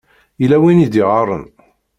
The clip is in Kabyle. Yella win i d-iɣaṛen.